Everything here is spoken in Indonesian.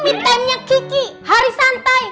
meet time nya kiki hari santai